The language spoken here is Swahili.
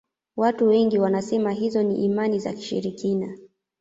watu wengi wanasema hizo ni imani za kishirikina